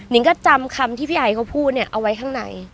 นิ่งก็จำคำที่พี่ไอเขาพูดเอาไว้ข้างใน